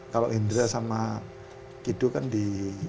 kalau hendra sama kido kan di